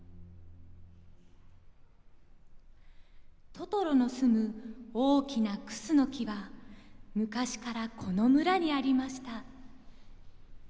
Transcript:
トトロの住む大きなくすのきは昔からこの村にありました。